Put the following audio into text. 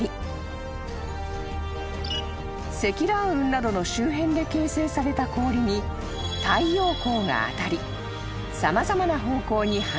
［積乱雲などの周辺で形成された氷に太陽光が当たり様々な方向に反射］